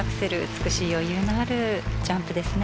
美しい余裕のあるジャンプですね。